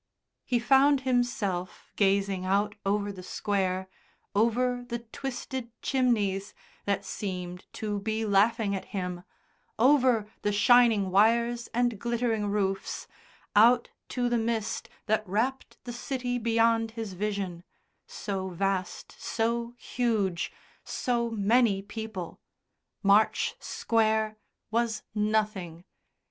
He found himself gazing out over the square, over the twisted chimneys, that seemed to be laughing at him, over the shining wires and glittering roofs, out to the mist that wrapped the city beyond his vision so vast, so huge, so many people March Square was nothing.